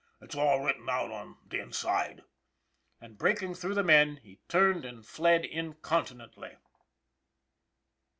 "It's all written out on the inside." And breaking through the men, he turned and fled incontinently.